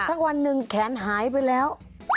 สักวันหนึ่งแขนหายไปแล้ว